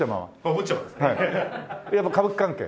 やっぱ歌舞伎関係？